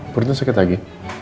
pertanyaan sakit lagi